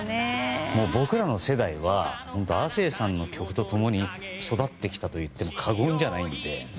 僕らの世代は亜星さんの曲と共に育ってきたと言っても過言じゃないので。